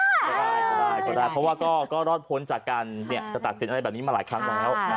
ก็ได้ก็ได้เพราะว่าก็รอดพ้นจากการจะตัดสินอะไรแบบนี้มาหลายครั้งแล้ว